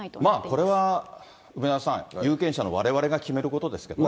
まあこれは梅沢さん、有権者のわれわれが決めることですけどね。